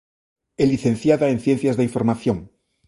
É licenciada en Ciencias da Información.